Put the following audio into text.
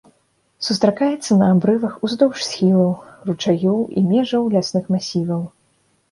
Сустракаецца на абрывах, уздоўж схілаў, ручаёў і межаў лясных масіваў.